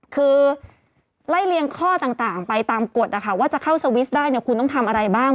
คือไล่เลี่ยงข้อต่างไปตามกฎนะคะว่าจะเข้าสวิสได้เนี่ยคุณต้องทำอะไรบ้าง